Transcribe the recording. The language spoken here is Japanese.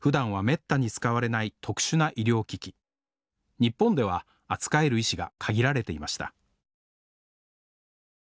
日本では扱える医師が限られていました